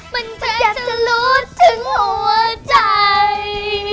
มันจะเจ็บจะรู้ถึงหัวใจ